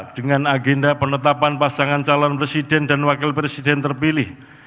dengan agenda penetapan pasangan calon presiden dan wakil presiden terpilih